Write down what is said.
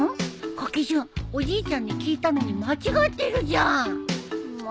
書き順おじいちゃんに聞いたのに間違ってるじゃん。も！